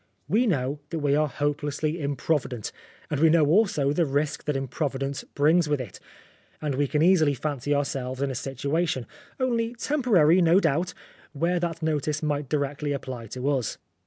We know that we are hope lessly improvident, and we know also the 235 Oscar Wilde risk that improvidence brings with it, and we can easily fancy ourselves in a situation only temporary, no doubt where that notice might directly apply to us."